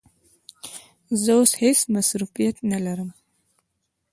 زه اوس هیڅ مصروفیت نه لرم.